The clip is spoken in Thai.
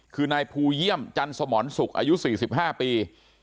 คือนายภูเยี่ยมจันสมรสุขอายุสี่สิบห้าปี